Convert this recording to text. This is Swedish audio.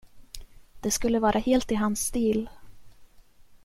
Det skulle vara helt i hans stil.